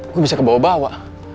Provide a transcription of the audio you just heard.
gue bisa kebawa bawa